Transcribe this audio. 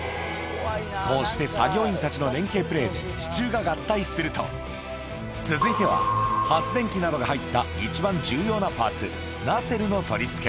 こうして作業員たちの連係プレーで支柱が合体すると、続いては、発電機などが入った一番重要なパーツ、ナセルの取り付け。